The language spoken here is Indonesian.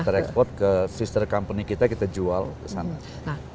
kita ekspor ke sister company kita kita jual ke sana